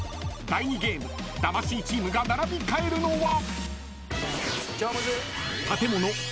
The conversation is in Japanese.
［第２ゲーム魂チームが並び替えるのは］